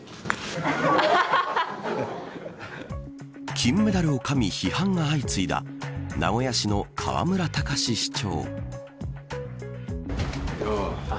金メダルをかみ批判が相次いだ名古屋市の河村たかし市長。